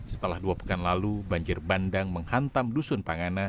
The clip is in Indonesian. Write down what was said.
setelah dua pekan lalu banjir bandang menghantam dusun panganah